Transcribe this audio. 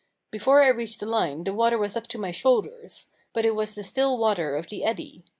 Before I reached the line the water was up to my shoulders; but it was the still water of the eddy.